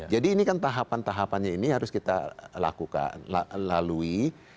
jadi ini kan tahapan tahapannya ini harus kita lalui